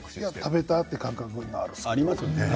食べたっていう感覚があります。